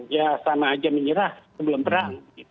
ya sama aja menyerah sebelum perang